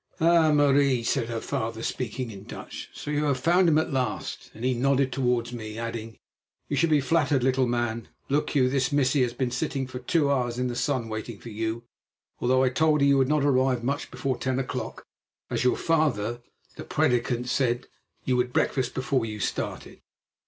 "Ah, Marie," said her father, speaking in Dutch, "so you have found him at last," and he nodded towards me, adding: "You should be flattered, little man. Look you, this missie has been sitting for two hours in the sun waiting for you, although I told her you would not arrive much before ten o'clock, as your father the prédicant said you would breakfast before you started.